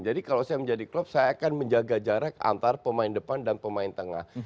jadi kalau saya menjadi klub saya akan menjaga jarak antar pemain depan dan pemain tengah